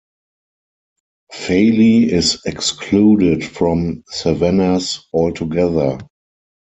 Fali is excluded from Savannas altogether.